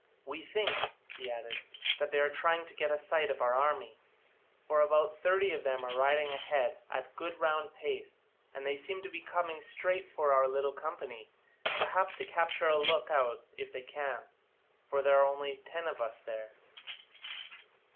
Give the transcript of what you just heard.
"We think," he added, "that they are trying to get a sight of our army. For about thirty of them are riding ahead at a good round pace and they seem to be coming straight for our little company, perhaps to capture our look out if they can, for there are only ten of us there."